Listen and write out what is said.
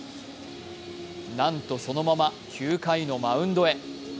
なんと、そのまま９回のマウンドへ。